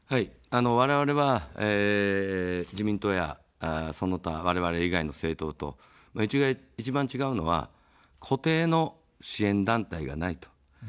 われわれは、自民党やその他われわれ以外の政党と一番違うのは固定の支援団体がないと。